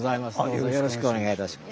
よろしくお願いします。